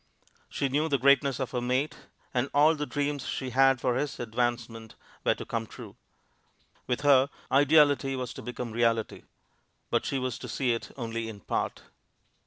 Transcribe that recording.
She knew the greatness of her mate, and all the dreams she had for his advancement were to come true. With her, ideality was to become reality. But she was to see it only in part.